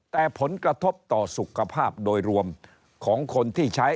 แต่ผลกระทบต่อสุขภาพโดยรวมของคนที่ใช้